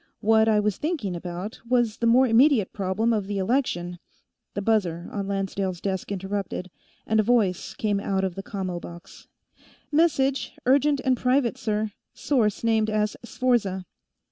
What I was thinking about was the more immediate problem of the election " The buzzer on Lancedale's desk interrupted, and a voice came out of the commo box: "Message, urgent and private, sir. Source named as Sforza."